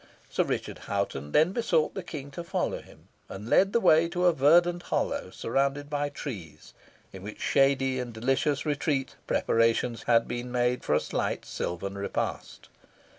Sir Richard Hoghton then besought the King to follow him, and led the way to a verdant hollow surrounded by trees, in which shady and delicious retreat preparations had been made for a slight silvan repast.